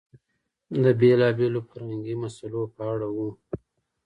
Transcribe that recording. د بېلابېلو فرهنګي مسئلو په اړه و.